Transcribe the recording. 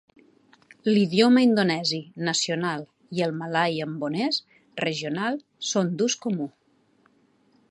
L'idioma indonesi, nacional, i el malai ambonès, regional, són d'ús comú.